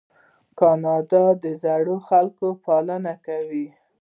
کاناډا د زړو خلکو پالنه کوي.